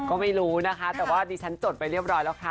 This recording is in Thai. ก็ไม่รู้นะคะแต่ว่าดิฉันจดไปเรียบร้อยแล้วค่ะ